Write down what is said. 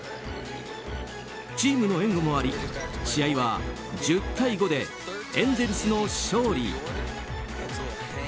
チームの援護もあり試合は１０対５でエンゼルスの勝利。